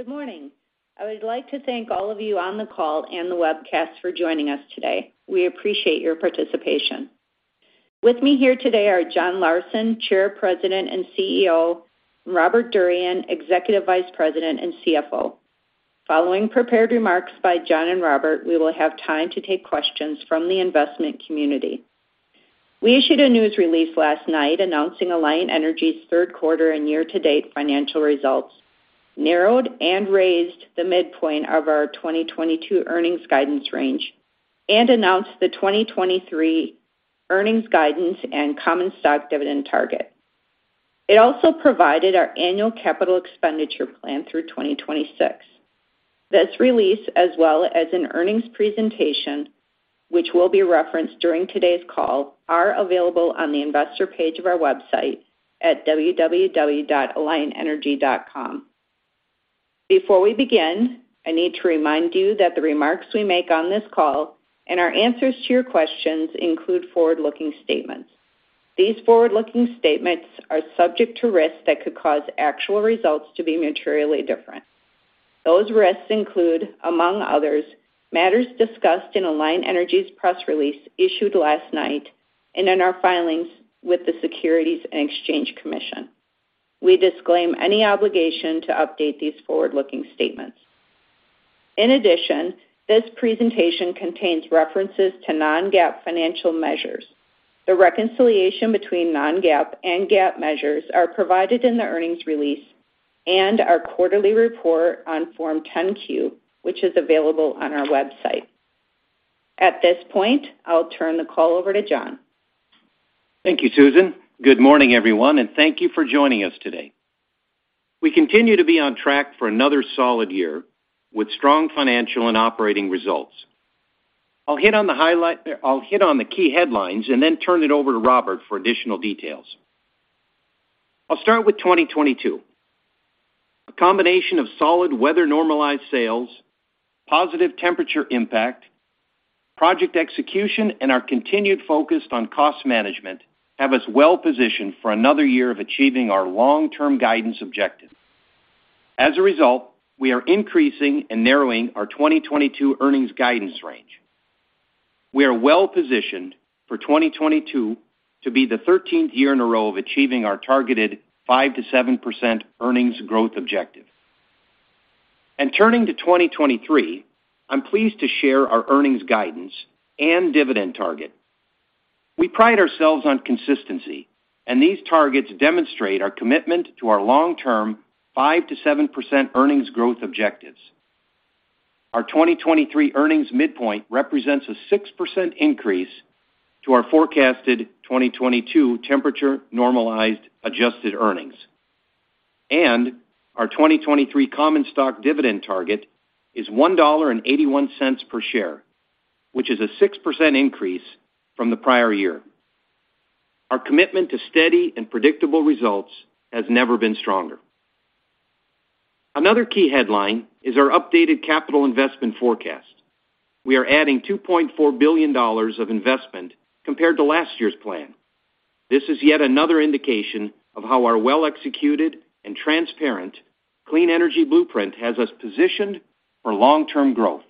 Good morning. I would like to thank all of you on the call and the webcast for joining us today. We appreciate your participation. With me here today are John Larsen, Chair, President, and CEO, and Robert Durian, Executive Vice President and CFO. Following prepared remarks by John and Robert, we will have time to take questions from the investment community. We issued a news release last night announcing Alliant Energy's third quarter and year-to-date financial results, narrowed and raised the midpoint of our 2022 earnings guidance range, and announced the 2023 earnings guidance and common stock dividend target. It also provided our annual capital expenditure plan through 2026. This release, as well as an earnings presentation, which will be referenced during today's call, are available on the investor page of our website at www.alliantenergy.com. Before we begin, I need to remind you that the remarks we make on this call and our answers to your questions include forward-looking statements. These forward-looking statements are subject to risks that could cause actual results to be materially different. Those risks include, among others, matters discussed in Alliant Energy's press release issued last night and in our filings with the Securities and Exchange Commission. We disclaim any obligation to update these forward-looking statements. In addition, this presentation contains references to non-GAAP financial measures. The reconciliation between non-GAAP and GAAP measures are provided in the earnings release and our quarterly report on Form 10-Q, which is available on our website. At this point, I'll turn the call over to John. Thank you, Susan. Good morning, everyone, and thank you for joining us today. We continue to be on track for another solid year with strong financial and operating results. I'll hit on the key headlines and then turn it over to Robert for additional details. I'll start with 2022. A combination of solid weather-normalized sales, positive temperature impact, project execution, and our continued focus on cost management have us well-positioned for another year of achieving our long-term guidance objective. As a result, we are increasing and narrowing our 2022 earnings guidance range. We are well-positioned for 2022 to be the 13th year in a row of achieving our targeted 5%-7% earnings growth objective. Turning to 2023, I'm pleased to share our earnings guidance and dividend target. We pride ourselves on consistency, these targets demonstrate our commitment to our long-term 5%-7% earnings growth objectives. Our 2023 earnings midpoint represents a 6% increase to our forecasted 2022 temperature-normalized adjusted earnings, and our 2023 common stock dividend target is $1.81 per share, which is a 6% increase from the prior year. Our commitment to steady and predictable results has never been stronger. Another key headline is our updated capital investment forecast. We are adding $2.4 billion of investment compared to last year's plan. This is yet another indication of how our well-executed and transparent Clean Energy Blueprint has us positioned for long-term growth.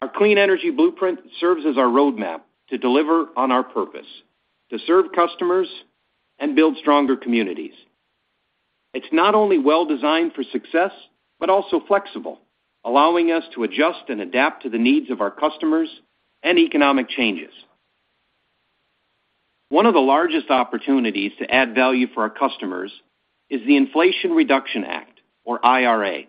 Our Clean Energy Blueprint serves as our roadmap to deliver on our purpose: to serve customers and build stronger communities. It's not only well-designed for success but also flexible, allowing us to adjust and adapt to the needs of our customers and economic changes. One of the largest opportunities to add value for our customers is the Inflation Reduction Act, or IRA.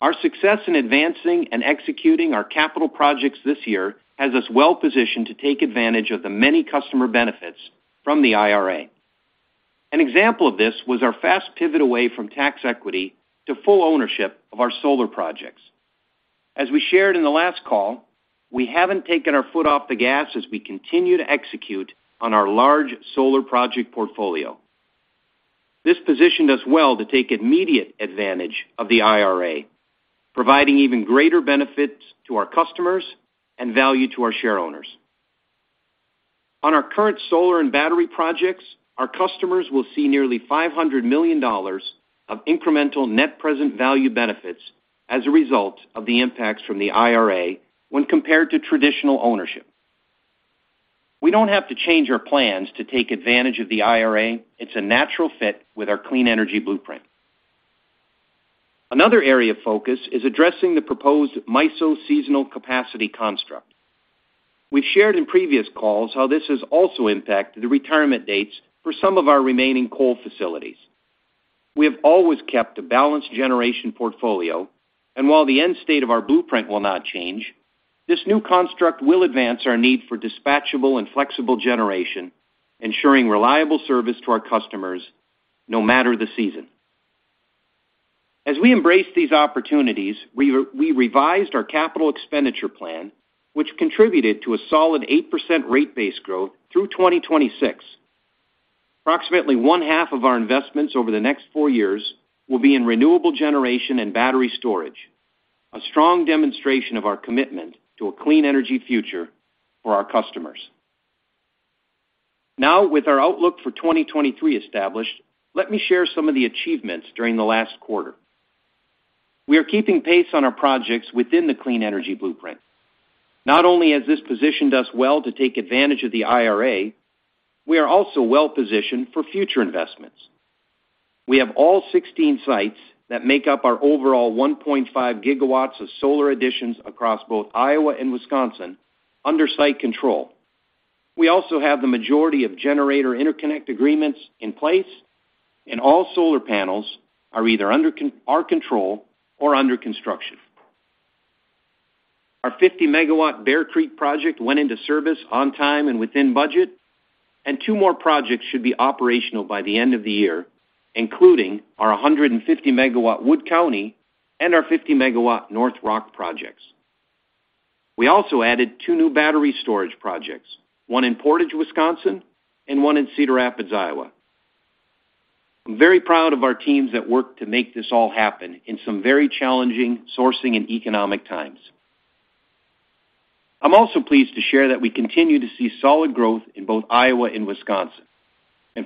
Our success in advancing and executing our capital projects this year has us well-positioned to take advantage of the many customer benefits from the IRA. An example of this was our fast pivot away from tax equity to full ownership of our solar projects. As we shared in the last call, we haven't taken our foot off the gas as we continue to execute on our large solar project portfolio. This positioned us well to take immediate advantage of the IRA, providing even greater benefits to our customers and value to our shareowners. On our current solar and battery projects, our customers will see nearly $500 million of incremental net present value benefits as a result of the impacts from the IRA when compared to traditional ownership. We don't have to change our plans to take advantage of the IRA. It's a natural fit with our Clean Energy Blueprint. Another area of focus is addressing the proposed MISO seasonal capacity construct. We've shared in previous calls how this has also impacted the retirement dates for some of our remaining coal facilities. We have always kept a balanced generation portfolio, and while the end state of our Blueprint will not change, this new construct will advance our need for dispatchable and flexible generation, ensuring reliable service to our customers, no matter the season. As we embrace these opportunities, we revised our capital expenditure plan, which contributed to a solid 8% rate base growth through 2026. Approximately one-half of our investments over the next four years will be in renewable generation and battery storage, a strong demonstration of our commitment to a clean energy future for our customers. With our outlook for 2023 established, let me share some of the achievements during the last quarter. We are keeping pace on our projects within the Clean Energy Blueprint. Not only has this positioned us well to take advantage of the IRA, we are also well-positioned for future investments. We have all 16 sites that make up our overall 1.5 gigawatts of solar additions across both Iowa and Wisconsin under site control. We also have the majority of generator interconnect agreements in place, and all solar panels are either under our control or under construction. Our 50-megawatt Bear Creek project went into service on time and within budget, and two more projects should be operational by the end of the year, including our 150-megawatt Wood County and our 50-megawatt North Rock projects. We also added two new battery storage projects, one in Portage, Wisconsin, and one in Cedar Rapids, Iowa. I'm very proud of our teams that work to make this all happen in some very challenging sourcing and economic times. I'm also pleased to share that we continue to see solid growth in both Iowa and Wisconsin.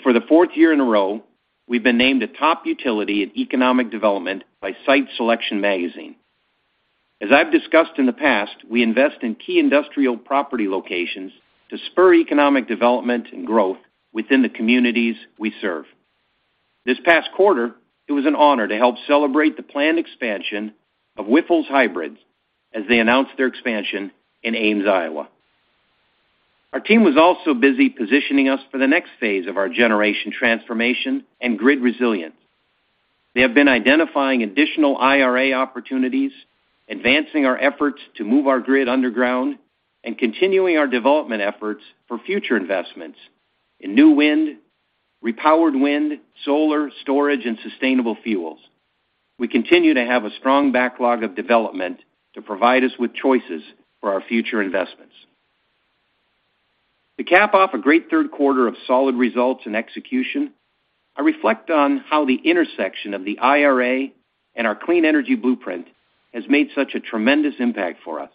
For the fourth year in a row, we've been named a top utility in economic development by Site Selection Magazine. As I've discussed in the past, we invest in key industrial property locations to spur economic development and growth within the communities we serve. This past quarter, it was an honor to help celebrate the planned expansion of Wyffels Hybrids as they announced their expansion in Ames, Iowa. Our team was also busy positioning us for the next phase of our generation transformation and grid resilience. They have been identifying additional IRA opportunities, advancing our efforts to move our grid underground, and continuing our development efforts for future investments in new wind, repowered wind, solar, storage, and sustainable fuels. We continue to have a strong backlog of development to provide us with choices for our future investments. To cap off a great third quarter of solid results and execution, I reflect on how the intersection of the IRA and our Clean Energy Blueprint has made such a tremendous impact for us.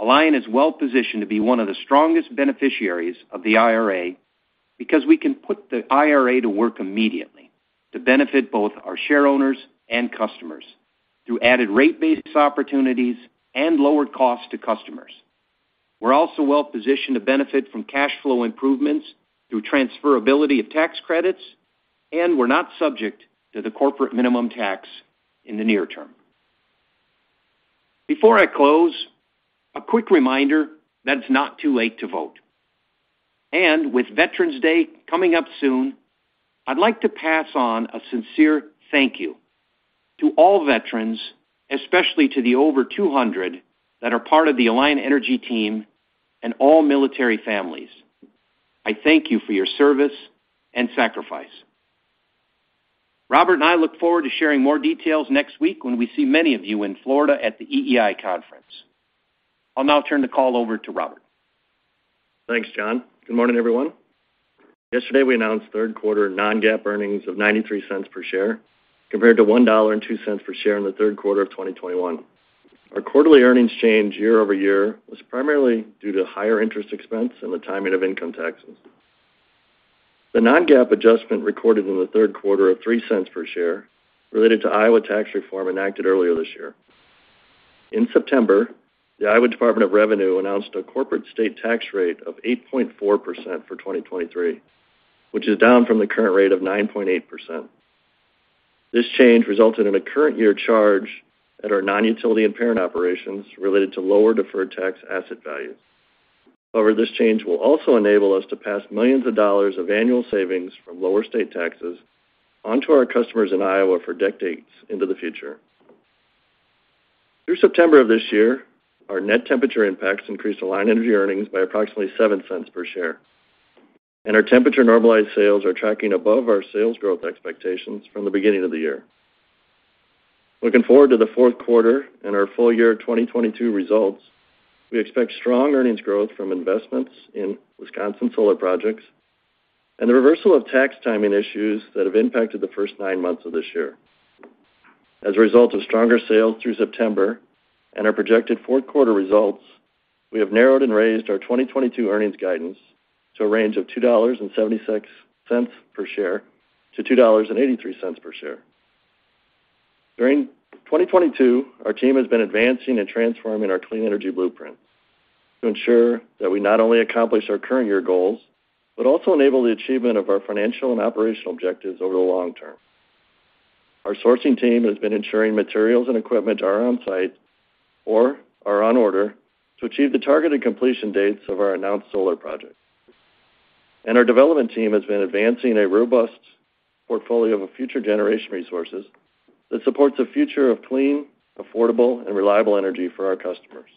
Alliant is well positioned to be one of the strongest beneficiaries of the IRA because we can put the IRA to work immediately to benefit both our share owners and customers through added rate basis opportunities and lower costs to customers. We're also well positioned to benefit from cash flow improvements through transferability of tax credits, and we're not subject to the corporate minimum tax in the near term. Before I close, a quick reminder that it's not too late to vote. With Veterans Day coming up soon, I'd like to pass on a sincere thank you to all veterans, especially to the over 200 that are part of the Alliant Energy team and all military families. I thank you for your service and sacrifice. Robert and I look forward to sharing more details next week when we see many of you in Florida at the EEI conference. I'll now turn the call over to Robert. Thanks, John. Good morning, everyone. Yesterday, we announced third quarter non-GAAP earnings of $0.93 per share compared to $1.02 per share in the third quarter of 2021. Our quarterly earnings change year-over-year was primarily due to higher interest expense and the timing of income taxes. The non-GAAP adjustment recorded in the third quarter of $0.03 per share related to Iowa tax reform enacted earlier this year. In September, the Iowa Department of Revenue announced a corporate state tax rate of 8.4% for 2023, which is down from the current rate of 9.8%. This change resulted in a current year charge at our non-utility and parent operations related to lower deferred tax asset values. However, this change will also enable us to pass millions of dollars of annual savings from lower state taxes onto our customers in Iowa for decades into the future. Through September of this year, our net temperature impacts increased Alliant Energy earnings by approximately $0.07 per share, and our temperature-normalized sales are tracking above our sales growth expectations from the beginning of the year. Looking forward to the fourth quarter and our full year 2022 results, we expect strong earnings growth from investments in Wisconsin solar projects and the reversal of tax timing issues that have impacted the first nine months of this year. As a result of stronger sales through September and our projected fourth quarter results, we have narrowed and raised our 2022 earnings guidance to a range of $2.76-$2.83 per share. During 2022, our team has been advancing and transforming our Clean Energy Blueprint to ensure that we not only accomplish our current year goals, but also enable the achievement of our financial and operational objectives over the long term. Our sourcing team has been ensuring materials and equipment are on site or are on order to achieve the targeted completion dates of our announced solar projects. Our development team has been advancing a robust portfolio of future generation resources that supports a future of clean, affordable, and reliable energy for our customers.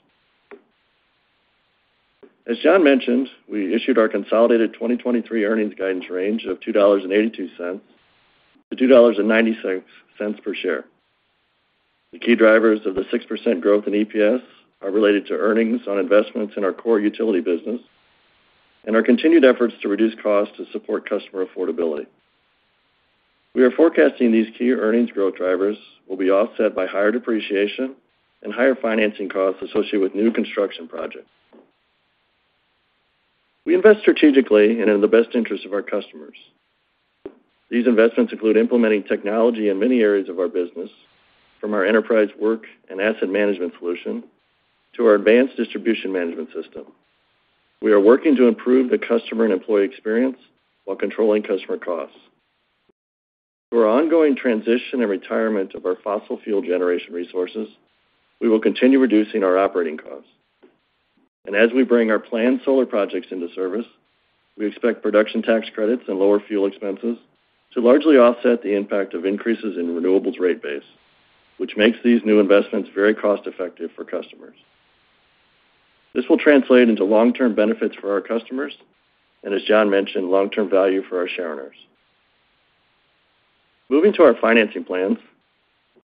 As John mentioned, we issued our consolidated 2023 earnings guidance range of $2.82 to $2.96 per share. The key drivers of the 6% growth in EPS are related to earnings on investments in our core utility business and our continued efforts to reduce costs to support customer affordability. We are forecasting these key earnings growth drivers will be offset by higher depreciation and higher financing costs associated with new construction projects. We invest strategically and in the best interest of our customers. These investments include implementing technology in many areas of our business, from our enterprise work and asset management solution to our advanced distribution management system. We are working to improve the customer and employee experience while controlling customer costs. Through our ongoing transition and retirement of our fossil fuel generation resources, we will continue reducing our operating costs. As we bring our planned solar projects into service, we expect production tax credits and lower fuel expenses to largely offset the impact of increases in renewables rate base, which makes these new investments very cost-effective for customers. This will translate into long-term benefits for our customers and, as John mentioned, long-term value for our shareholders. Moving to our financing plans.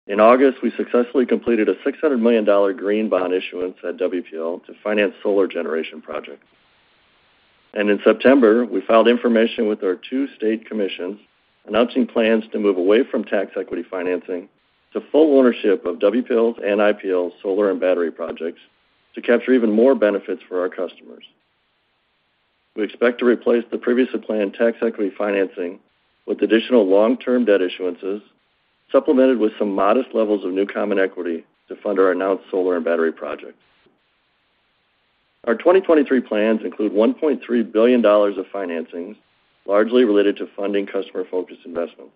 In August, we successfully completed a $600 million green bond issuance at WPL to finance solar generation projects. In September, we filed information with our two state commissions announcing plans to move away from tax equity financing to full ownership of WPL's and IPL's solar and battery projects to capture even more benefits for our customers. We expect to replace the previously planned tax equity financing with additional long-term debt issuances, supplemented with some modest levels of new common equity to fund our announced solar and battery projects. Our 2023 plans include $1.3 billion of financings, largely related to funding customer-focused investments.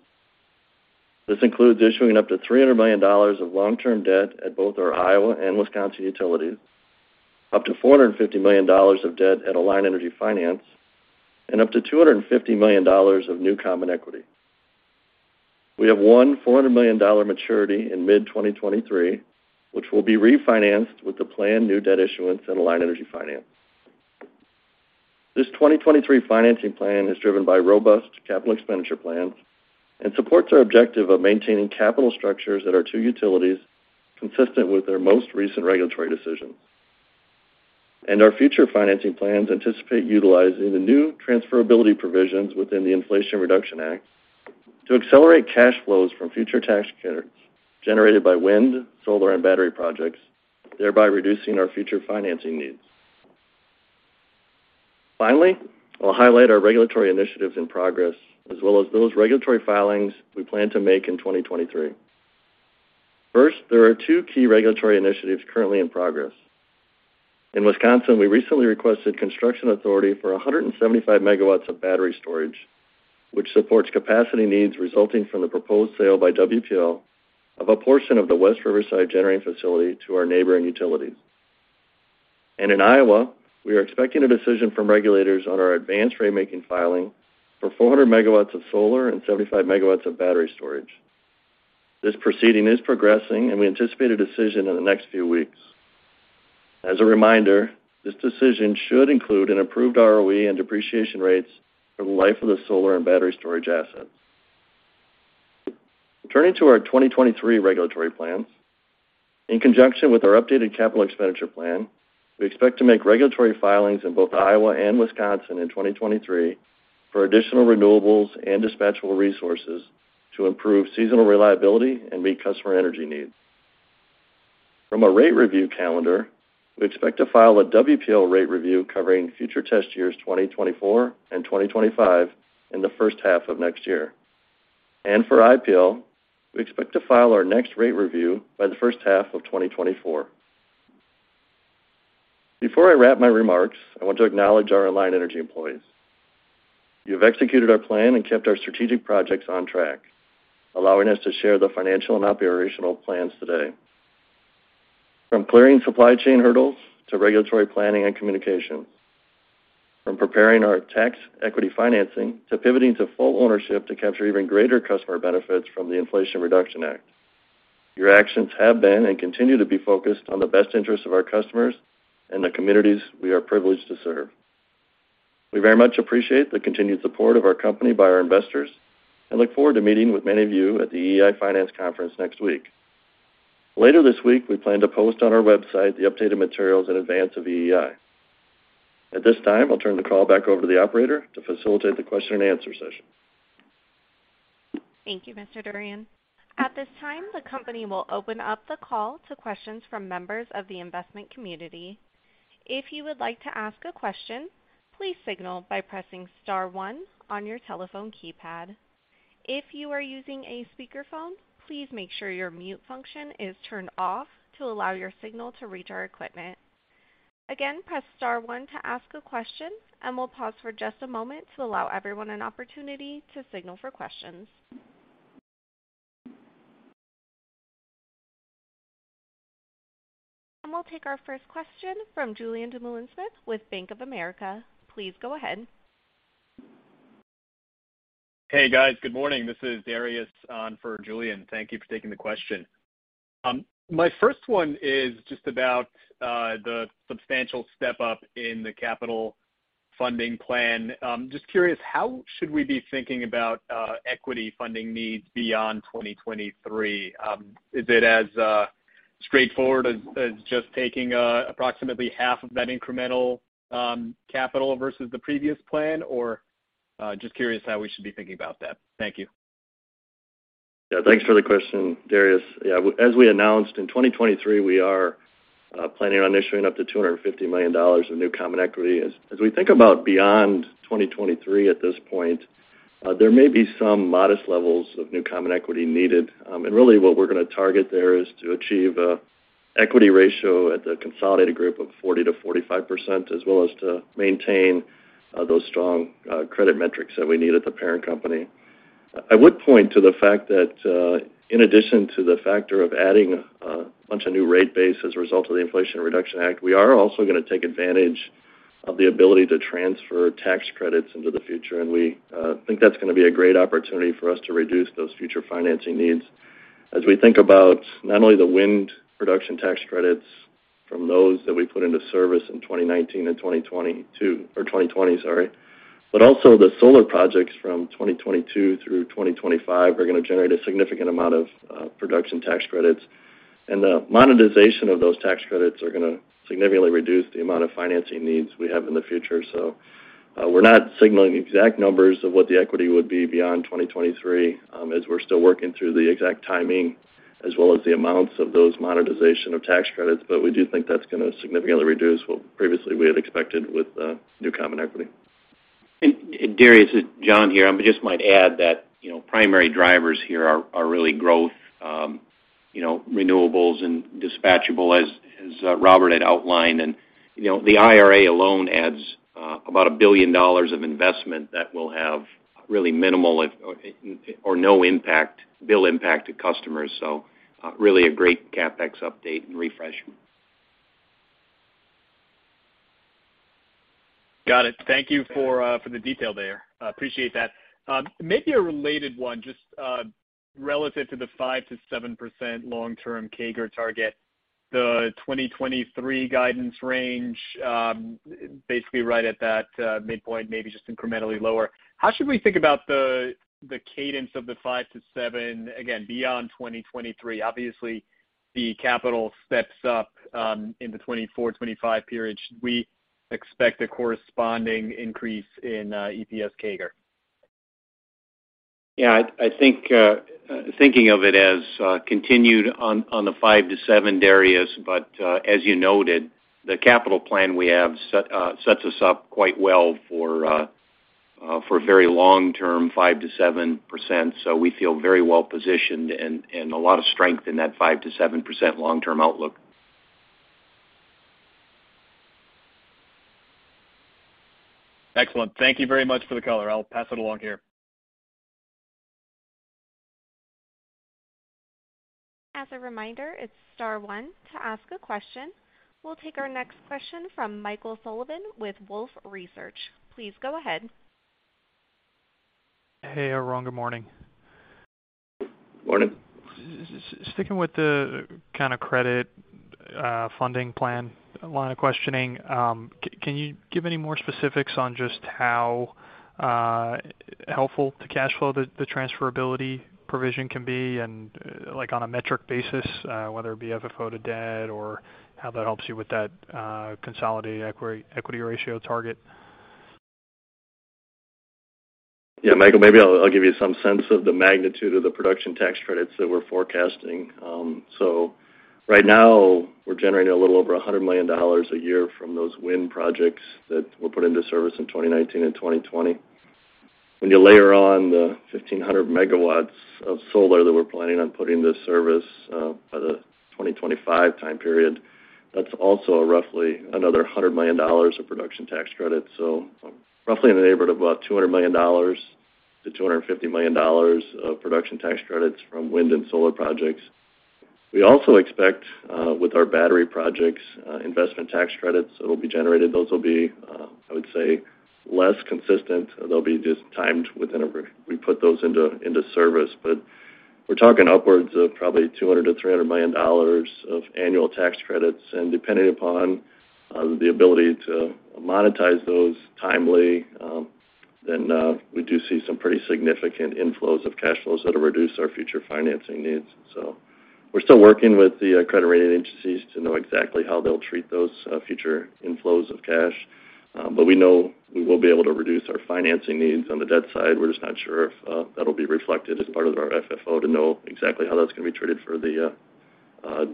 This includes issuing up to $300 million of long-term debt at both our Iowa and Wisconsin utilities, up to $450 million of debt at Alliant Energy Finance, and up to $250 million of new common equity. We have one $400 million maturity in mid-2023, which will be refinanced with the planned new debt issuance in Alliant Energy Finance. This 2023 financing plan is driven by robust capital expenditure plans and supports our objective of maintaining capital structures at our two utilities consistent with their most recent regulatory decisions. Our future financing plans anticipate utilizing the new transferability provisions within the Inflation Reduction Act to accelerate cash flows from future tax credits generated by wind, solar, and battery projects, thereby reducing our future financing needs. Finally, I'll highlight our regulatory initiatives in progress, as well as those regulatory filings we plan to make in 2023. First, there are two key regulatory initiatives currently in progress. In Wisconsin, we recently requested construction authority for 175 MW of battery storage, which supports capacity needs resulting from the proposed sale by WPL of a portion of the West Riverside generating facility to our neighboring utilities. In Iowa, we are expecting a decision from regulators on our advanced rate-making filing for 400 megawatts of solar and 75 megawatts of battery storage. This proceeding is progressing, and we anticipate a decision in the next few weeks. As a reminder, this decision should include an approved ROE and depreciation rates for the life of the solar and battery storage assets. Turning to our 2023 regulatory plans. In conjunction with our updated capital expenditure plan, we expect to make regulatory filings in both Iowa and Wisconsin in 2023 for additional renewables and dispatchable resources to improve seasonal reliability and meet customer energy needs. From a rate review calendar, we expect to file a WPL rate review covering future test years 2024 and 2025 in the first half of next year. For IPL, we expect to file our next rate review by the first half of 2024. Before I wrap my remarks, I want to acknowledge our Alliant Energy employees. You've executed our plan and kept our strategic projects on track, allowing us to share the financial and operational plans today. From clearing supply chain hurdles to regulatory planning and communication, from preparing our tax equity financing to pivoting to full ownership to capture even greater customer benefits from the Inflation Reduction Act, your actions have been and continue to be focused on the best interests of our customers and the communities we are privileged to serve. We very much appreciate the continued support of our company by our investors and look forward to meeting with many of you at the EEI Financial Conference next week. Later this week, we plan to post on our website the updated materials in advance of EEI. At this time, I'll turn the call back over to the operator to facilitate the question and answer session. Thank you, Mr. Durian. At this time, the company will open up the call to questions from members of the investment community. If you would like to ask a question, please signal by pressing *1 on your telephone keypad. If you are using a speakerphone, please make sure your mute function is turned off to allow your signal to reach our equipment. Again, press *1 to ask a question, and we'll pause for just a moment to allow everyone an opportunity to signal for questions. We'll take our first question from Julien Dumoulin-Smith with Bank of America. Please go ahead. Hey, guys. Good morning. This is Dariusz on for Julien. Thank you for taking the question. My first one is just about the substantial step-up in the capital funding plan. Just curious, how should we be thinking about equity funding needs beyond 2023? Is it as a straightforward as just taking approximately half of that incremental capital versus the previous plan? Or just curious how we should be thinking about that. Thank you. Yeah, thanks for the question, Dariusz. Yeah. As we announced in 2023, we are planning on issuing up to $250 million of new common equity. As we think about beyond 2023 at this point, there may be some modest levels of new common equity needed. Really what we're going to target there is to achieve an equity ratio at the consolidated group of 40%-45%, as well as to maintain those strong credit metrics that we need at the parent company. I would point to the fact that, in addition to the factor of adding a bunch of new rate base as a result of the Inflation Reduction Act, we are also going to take advantage of the ability to transfer tax credits into the future. We think that's going to be a great opportunity for us to reduce those future financing needs. As we think about not only the wind production tax credits from those that we put into service in 2019 and 2020, but also the solar projects from 2022 through 2025 are going to generate a significant amount of production tax credits. The monetization of those tax credits are going to significantly reduce the amount of financing needs we have in the future. We're not signaling exact numbers of what the equity would be beyond 2023, as we're still working through the exact timing as well as the amounts of those monetization of tax credits. We do think that's going to significantly reduce what previously we had expected with new common equity. Dariusz, John here. I just might add that primary drivers here are really growth, renewables and dispatchable as Robert had outlined. The IRA alone adds about $1 billion of investment that will have really minimal or no bill impact to customers. Really a great CapEx update and refreshment. Got it. Thank you for the detail there. Appreciate that. Maybe a related one, just relative to the 5%-7% long-term CAGR target. The 2023 guidance range, basically right at that midpoint, maybe just incrementally lower. How should we think about the cadence of the 5%-7%, again, beyond 2023? Obviously, the capital steps up in the 2024, 2025 period. Should we expect a corresponding increase in EPS CAGR? Thinking of it as continued on the 5%-7%, Dariusz. As you noted, the capital plan we have sets us up quite well for very long-term 5%-7%. We feel very well-positioned and a lot of strength in that 5%-7% long-term outlook. Excellent. Thank you very much for the color. I'll pass it along here. As a reminder, it's star one to ask a question. We'll take our next question from Michael Sullivan with Wolfe Research. Please go ahead. Hey, everyone. Good morning. Morning. Sticking with the kind of credit funding plan line of questioning, can you give any more specifics on just how helpful to cash flow the transferability provision can be? Like on a metric basis, whether it be FFO to debt or how that helps you with that consolidated equity ratio target? Yeah, Michael, maybe I'll give you some sense of the magnitude of the production tax credits that we're forecasting. Right now, we're generating a little over $100 million a year from those wind projects that were put into service in 2019 and 2020. When you layer on the 1,500 megawatts of solar that we're planning on putting to service by the 2025 time period, that's also roughly another $100 million of production tax credits. Roughly in the neighborhood of about $200 million to $250 million of production tax credits from wind and solar projects. We also expect, with our battery projects, investment tax credits that'll be generated. Those will be, I would say, less consistent. They'll be just timed whenever we put those into service. We're talking upwards of probably $200 million-$300 million of annual tax credits, and depending upon the ability to monetize those timely, we do see some pretty significant inflows of cash flows that'll reduce our future financing needs. We're still working with the credit rating agencies to know exactly how they'll treat those future inflows of cash. We know we will be able to reduce our financing needs on the debt side. We're just not sure if that'll be reflected as part of our FFO to know exactly how that's going to be treated for the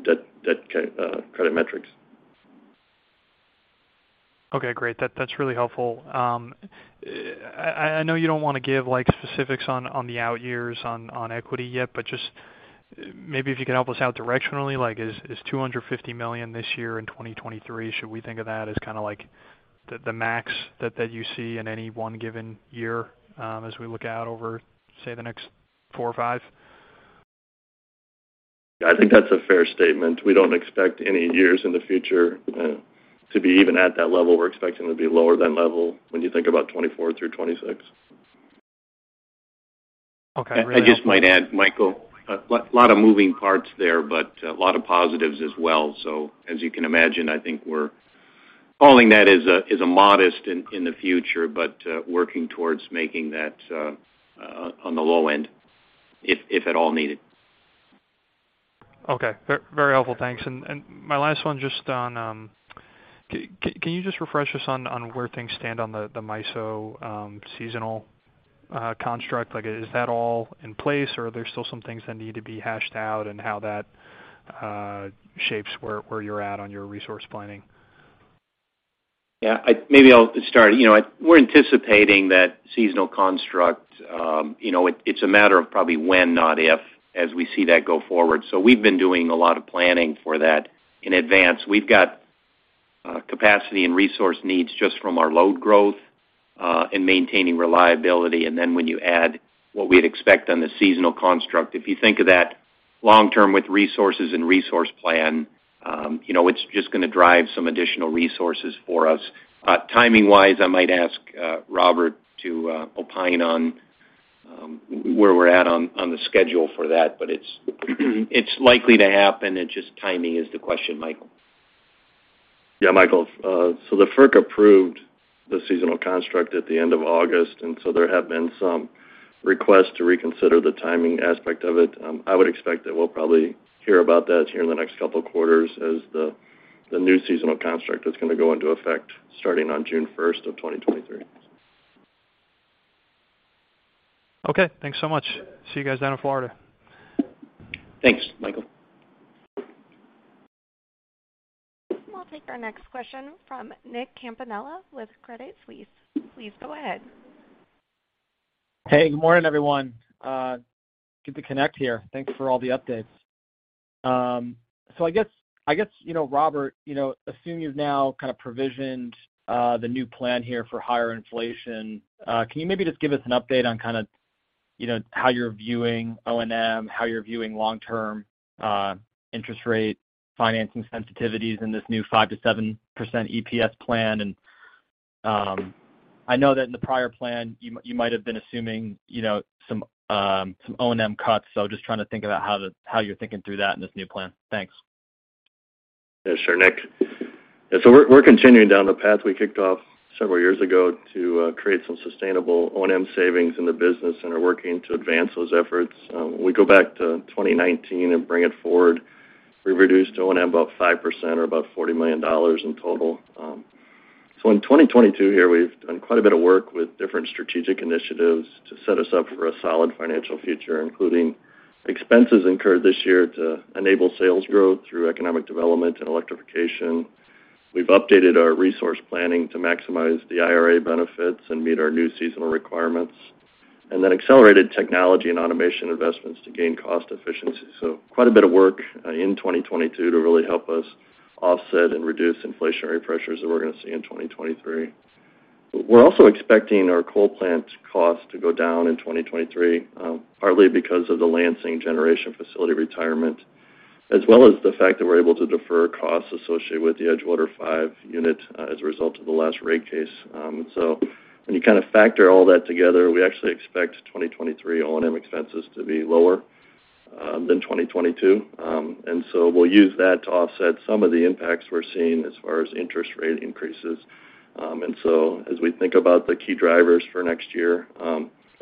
debt credit metrics. Okay, great. That's really helpful. I know you don't want to give specifics on the out years on equity yet, but just maybe if you could help us out directionally. Is $250 million this year in 2023, should we think of that as kind of like the max that you see in any one given year as we look out over, say, the next four or five? Yeah, I think that's a fair statement. We don't expect any years in the future to be even at that level. We're expecting to be lower than level when you think about 2024 through 2026. Okay. I just might add, Michael, a lot of moving parts there, a lot of positives as well. As you can imagine, I think we're Calling that is a modest in the future, but working towards making that on the low end if at all needed. Okay. Very helpful. Thanks. My last one, just on, can you just refresh us on where things stand on the MISO seasonal construct? Is that all in place or are there still some things that need to be hashed out and how that shapes where you're at on your resource planning? Yeah. Maybe I'll start. We're anticipating that seasonal construct. It's a matter of probably when, not if, as we see that go forward. We've been doing a lot of planning for that in advance. We've got capacity and resource needs just from our load growth, and maintaining reliability. When you add what we'd expect on the seasonal construct, if you think of that long-term with resources and resource plan, it's just going to drive some additional resources for us. Timing-wise, I might ask Robert to opine on where we're at on the schedule for that, but it's likely to happen. It's just timing is the question, Michael. Yeah, Michael. The FERC approved the seasonal construct at the end of August, there have been some requests to reconsider the timing aspect of it. I would expect that we'll probably hear about that here in the next couple of quarters as the new seasonal construct is going to go into effect starting on June 1st of 2023. Okay, thanks so much. See you guys down in Florida. Thanks, Michael. We'll take our next question from Nicholas Campanella with Credit Suisse. Please go ahead. Hey, good morning, everyone. Good to connect here. Thanks for all the updates. I guess, Robert, assume you've now kind of provisioned the new plan here for higher inflation. Can you maybe just give us an update on kind of how you're viewing O&M, how you're viewing long-term interest rate financing sensitivities in this new 5%-7% EPS plan? I know that in the prior plan, you might have been assuming some O&M cuts. Just trying to think about how you're thinking through that in this new plan. Thanks. Yeah, sure, Nick. We're continuing down the path we kicked off several years ago to create some sustainable O&M savings in the business and are working to advance those efforts. When we go back to 2019 and bring it forward, we've reduced O&M about 5% or about $40 million in total. In 2022 here, we've done quite a bit of work with different strategic initiatives to set us up for a solid financial future, including expenses incurred this year to enable sales growth through economic development and electrification. We've updated our resource planning to maximize the IRA benefits and meet our new seasonal requirements, and then accelerated technology and automation investments to gain cost efficiency. Quite a bit of work in 2022 to really help us offset and reduce inflationary pressures that we're going to see in 2023. We're also expecting our coal plant cost to go down in 2023, partly because of the Lansing generation facility retirement, as well as the fact that we're able to defer costs associated with the Edgewater 5 unit as a result of the last rate case. When you kind of factor all that together, we actually expect 2023 O&M expenses to be lower than 2022. We'll use that to offset some of the impacts we're seeing as far as interest rate increases. As we think about the key drivers for next year,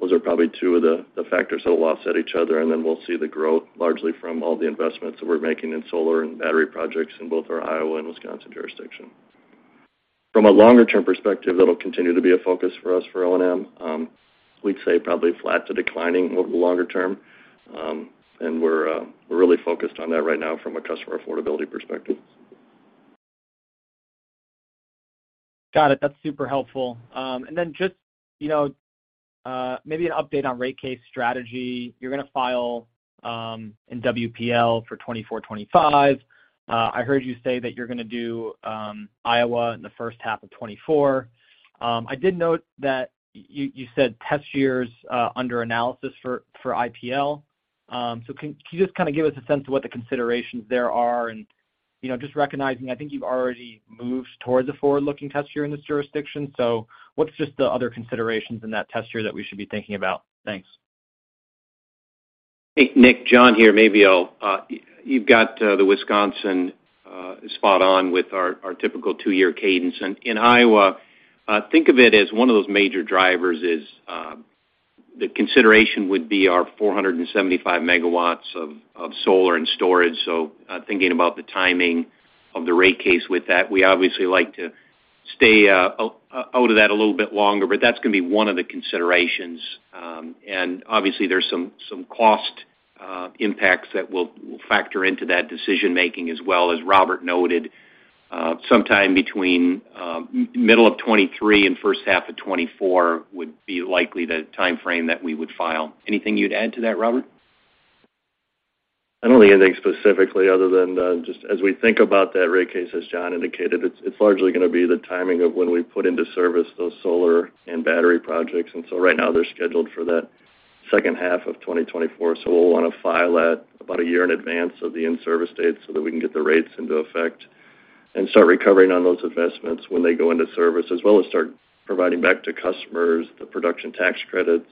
those are probably two of the factors that will offset each other, then we'll see the growth largely from all the investments that we're making in solar and battery projects in both our Iowa and Wisconsin jurisdiction. From a longer-term perspective, that'll continue to be a focus for us for O&M. We'd say probably flat to declining over the longer term. We're really focused on that right now from a customer affordability perspective. Got it. That's super helpful. Then just maybe an update on rate case strategy. You're going to file in WPL for 2024, 2025. I heard you say that you're going to do Iowa in the first half of 2024. I did note that you said test year is under analysis for IPL. Can you just kind of give us a sense of what the considerations there are? Just recognizing, I think you've already moved towards a forward-looking test year in this jurisdiction. What's just the other considerations in that test year that we should be thinking about? Thanks. Hey, Nick, John here. You've got the Wisconsin spot on with our typical two-year cadence. In Iowa, think of it as one of those major drivers is the consideration would be our 475 megawatts of solar and storage. Thinking about the timing of the rate case with that. We obviously like to stay out of that a little bit longer, that's going to be one of the considerations. Obviously there's some cost impacts that will factor into that decision-making as well. As Robert noted, sometime between middle of 2023 and first half of 2024 would be likely the timeframe that we would file. Anything you'd add to that, Robert? I don't think anything specifically other than just as we think about that rate case, as John indicated, it's largely going to be the timing of when we put into service those solar and battery projects. Right now they're scheduled for that second half of 2024. We'll want to file that about a year in advance of the in-service date so that we can get the rates into effect and start recovering on those investments when they go into service, as well as start providing back to customers the production tax credits,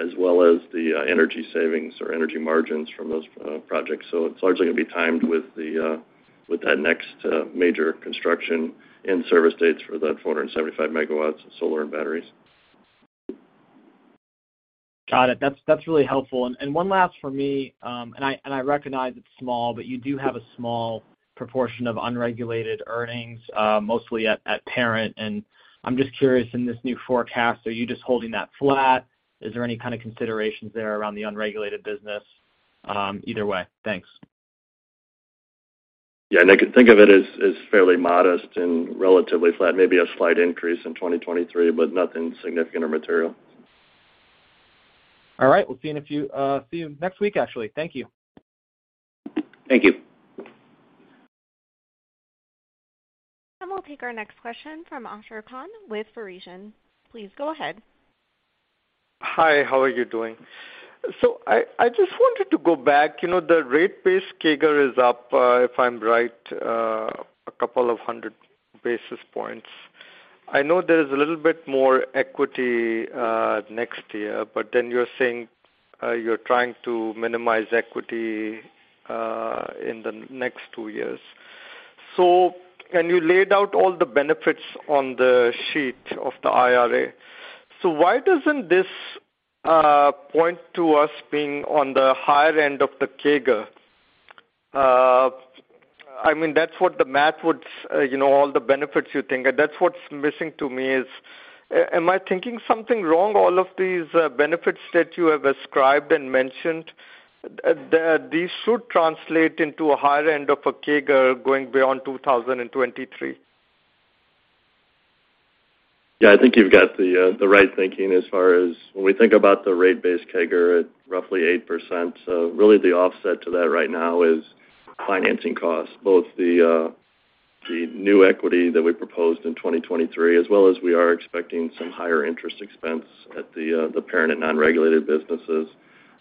as well as the energy savings or energy margins from those projects. It's largely going to be timed with that next major construction and service dates for that 475 megawatts of solar and batteries. Got it. That's really helpful. One last from me, and I recognize it's small, but you do have a small proportion of unregulated earnings, mostly at parent. I'm just curious, in this new forecast, are you just holding that flat? Is there any kind of considerations there around the unregulated business, either way? Thanks. Yeah, Nick. Think of it as fairly modest and relatively flat, maybe a slight increase in 2023, nothing significant or material. All right. We'll see you next week, actually. Thank you. Thank you. We'll take our next question from Ashar Khan with Verition. Please go ahead. Hi, how are you doing? I just wanted to go back. The rate base CAGR is up, if I'm right, a couple of 100 basis points. I know there is a little bit more equity next year, you're saying you're trying to minimize equity in the next two years. Can you lay out all the benefits on the sheet of the IRA? Why doesn't this point to us being on the higher end of the CAGR? All the benefits you think, that's what's missing to me is, am I thinking something wrong? All of these benefits that you have ascribed and mentioned, these should translate into a higher end of a CAGR going beyond 2023. Yeah, I think you've got the right thinking as far as when we think about the rate base CAGR at roughly 8%. Really the offset to that right now is financing costs, both the new equity that we proposed in 2023, as well as we are expecting some higher interest expense at the parent and non-regulated businesses.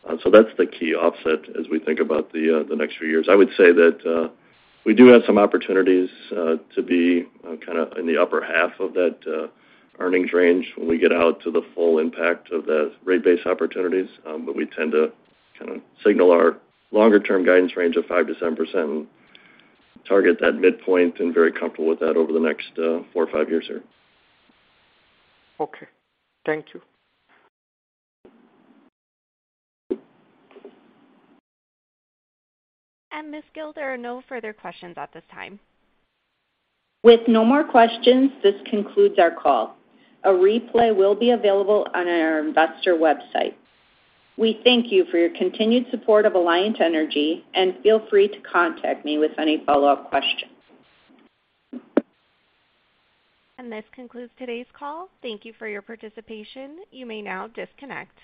That's the key offset as we think about the next few years. I would say that we do have some opportunities to be kind of in the upper half of that earnings range when we get out to the full impact of the rate base opportunities. But we tend to kind of signal our longer term guidance range of 5%-7% and target that midpoint, and very comfortable with that over the next four or five years here. Okay. Thank you. Ms. Gille, there are no further questions at this time. With no more questions, this concludes our call. A replay will be available on our investor website. We thank you for your continued support of Alliant Energy, and feel free to contact me with any follow-up questions. This concludes today's call. Thank you for your participation. You may now disconnect.